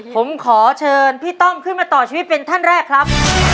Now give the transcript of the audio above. ผมขอเชิญพี่ต้อมขึ้นมาต่อชีวิตเป็นท่านแรกครับ